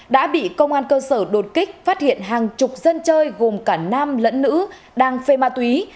đã bị công an cơ sở đột kích phát hiện hàng chục dân chơi gồm cả nam lẫn nữ đang phê ma túy